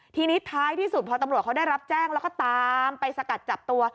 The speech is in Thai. ทีนี้ท้ายที่สุดพอตำรวจเขาได้รับแจ้งแล้วก็ตามไปสกัดจับตัว